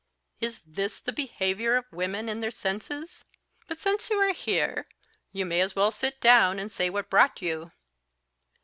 Is this the behaviour of women in their senses? But since you are here, you may as well sit down and say what brought you.